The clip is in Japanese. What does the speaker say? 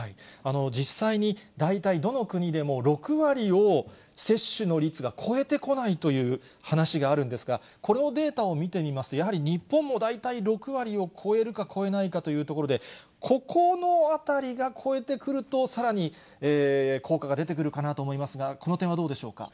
実際に大体どの国でも６割を接種の率が超えてこないという話があるんですが、このデータを見てみますと、やはり日本も大体６割を超えるか超えないかというところで、ここのあたりが超えてくると、さらに効果が出てくるかなと思いますが、この点はどうでしょうか。